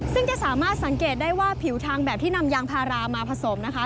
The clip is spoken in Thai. ซึ่งจะสามารถสังเกตได้ว่าผิวทางแบบที่นำยางพารามาผสมนะคะ